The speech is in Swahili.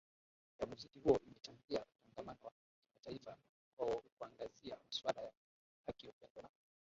ya muziki huo imechangia utangamano wa kimataifa kwa kuangazia masuala ya haki upendo na